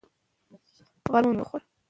د نجونو تعلیم د ټولنې راتلونکي لپاره مهم دی.